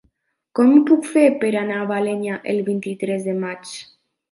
Com ho puc fer per anar a Balenyà el vint-i-tres de maig?